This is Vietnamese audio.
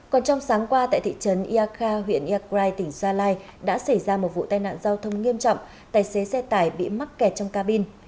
còn trong sáng qua tại thị trấn ia kha huyện ia krai tỉnh gia lai đã xảy ra một vụ tai nạn giao thông nghiêm trọng tài xế xe tải bị mắc kẹt trong cabin